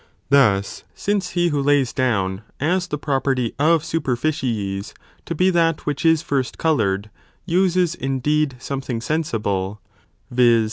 Thus, since he who lays down, as the property of superficies, to be that which is first coloured, uses, indeed, something sensible, viz.